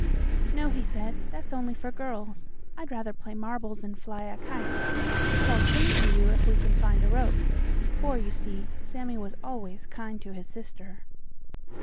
"No," he said, "that's only for girls. I'd rather play marbles and fly a kite, but I'll turn for you, if we can find a rope," for, you see, Sammie was always kind to his sister.